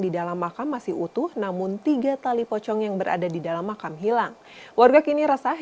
di dalam makam masih utuh namun tiga tali pocong yang berada di dalam makam hilang warga kini resah